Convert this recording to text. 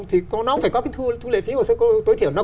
thì nó phải có cái thu lệ phí hồ sơ tối thiểu